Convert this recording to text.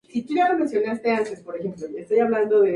Conserva parte de los canecillos originales situados en la cabecera.